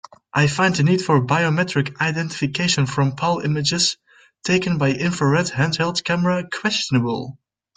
I find the need for biometric identification from palm images taken by infrared handheld camera questionable.